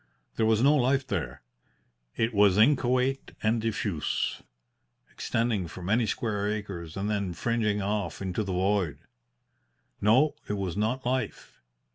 There was no life there. It was inchoate and diffuse, extending for many square acres and then fringing off into the void. No, it was not life.